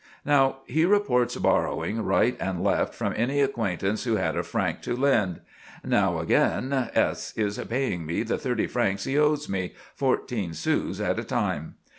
Now, he reports borrowing right and left from any acquaintance who had a franc to lend; now, again, "S—— is paying me the thirty francs he owes me, fourteen sous at a time."